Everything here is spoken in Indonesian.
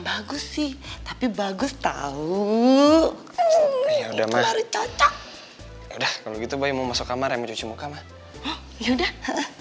bagus sih tapi bagus tahu udah mah cocok udah kalau gitu mau masuk kamar yang cuci muka mah ya udah